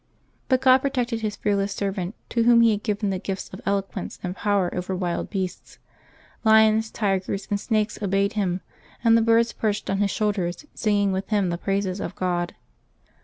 But God protected His fearless servant, to whom He had given the gifts of eloquence and power over wild beasts. Lions, tigers, and snakes obeyed him, and the birds perched on his shoulders, singing with him the praises of God.